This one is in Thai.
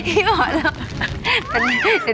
พี่หมอแล้ว